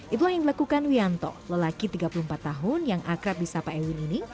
itulah yang dilakukan wianto lelaki tiga puluh empat tahun yang akrab di sapa ewin ini